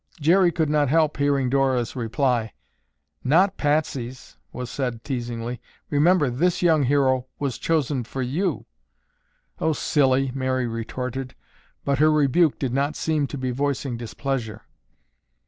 Jerry could not help hearing Dora's reply. "Not Patsy's!" was said teasingly. "Remember this young hero was chosen for you." "Oh, silly!" Mary retorted, but her rebuke did not seem to be voicing displeasure.